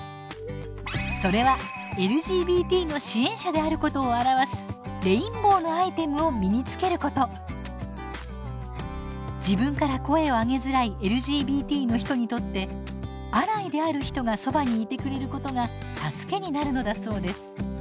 それはＬＧＢＴの支援者であることを表す自分から声をあげづらいＬＧＢＴの人にとってアライである人がそばにいてくれることが助けになるのだそうです。